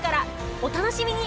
お楽しみに！